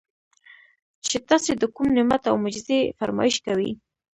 چې تاسي د کوم نعمت او معجزې فرمائش کوئ